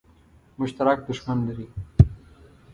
مشترک دښمن لري.